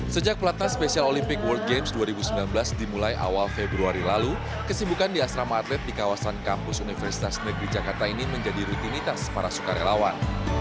sejak pelatnas special olimpic world games dua ribu sembilan belas dimulai awal februari lalu kesibukan di asrama atlet di kawasan kampus universitas negeri jakarta ini menjadi rutinitas para sukarelawan